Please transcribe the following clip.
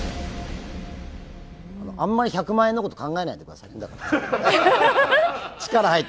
あんまり１００万円のこと考えてないでください、今から。